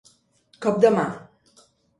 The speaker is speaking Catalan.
Cop de mà.